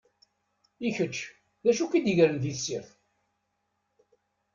I kečč, d acu i k-id-igren di tessirt?